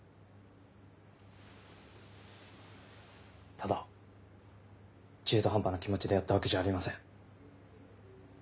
ただ中途半端な気持ちでやったわけじゃありません。